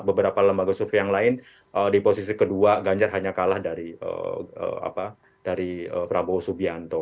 beberapa lembaga survei yang lain di posisi kedua ganjar hanya kalah dari prabowo subianto